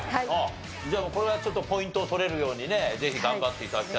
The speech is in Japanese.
じゃあこれはちょっとポイントを取れるようにねぜひ頑張って頂きたいと。